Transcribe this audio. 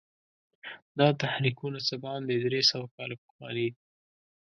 دا تحریکونه څه باندې درې سوه کاله پخواني دي.